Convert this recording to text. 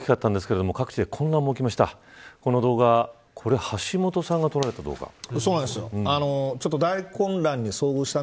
今回被害も大きかったんですけど各地で混乱も起きました。